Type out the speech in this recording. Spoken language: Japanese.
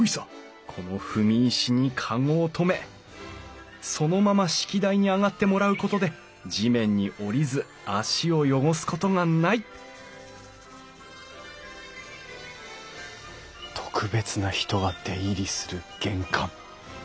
この踏み石にかごを止めそのまま式台に上がってもらうことで地面に降りず足を汚すことがない特別な人が出入りする玄関。